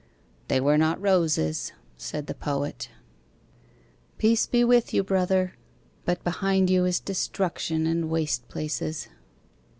"They were not roses," said the Poet. Peace be with you, Brother. But behind you is destruction, and waste places.